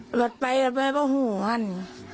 หลัดไปหลัดไปบ่าห่วง